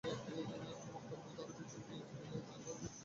মুক্তার মতো আরও কিছু মেয়ে মিলে নানা ধরনের হাতের কাজ করে।